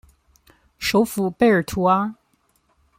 首府贝尔图阿。